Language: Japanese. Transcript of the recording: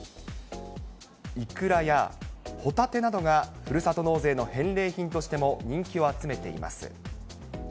イクラやホタテなどが、ふるさと納税の返礼品としても人気を集めています。